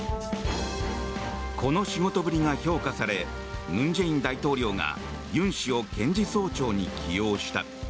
この仕事ぶりが評価され文在寅大統領が尹氏を検事総長に起用した。